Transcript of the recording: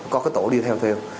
có cái tổ đi theo thêu